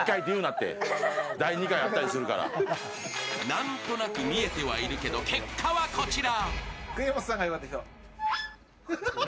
何となく見えてはいるけど結果はこちら。